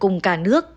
thực hiện các kế hoạch